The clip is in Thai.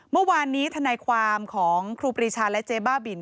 เมื่อวานนี้ทนายความของครูปรีชาและเจ๊บ้าบิน